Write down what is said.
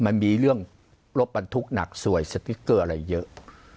มันมีเรื่องรถบรรทุกหนักสวยอะไรเยอะ